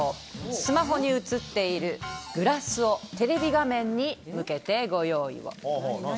スマホに映っているグラスをテレビ画面に向けてご用意を。